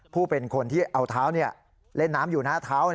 ผู้เป็นคนที่เอาเท้าเล่นน้ำอยู่หน้าเท้า